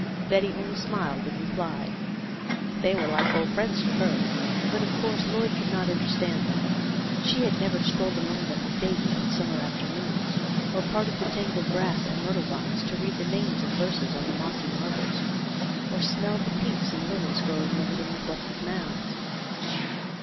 Betty only smiled in reply. They were like old friends to her, but of course Lloyd could not understand that. She had never strolled among them with Davy on summer afternoons, or parted the tangled grass and myrtle vines to read the names and verses on the mossy marbles, or smelled the pinks and lilies grow ing over the neglected mounds.